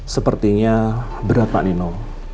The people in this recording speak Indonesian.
sepertinya berat pak nino